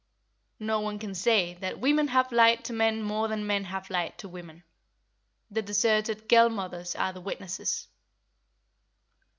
No one can say that women have lied to men more than men have lied to women; the deserted girl mothers are the witnesses.